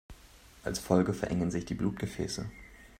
Als Folge verengen sich die Blutgefäße.